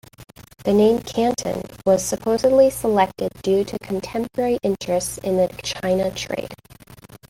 The name Canton was supposedly selected due to contemporary interests in the China trade.